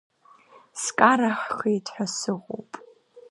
Скарахеит ҳәа сыҟоуп…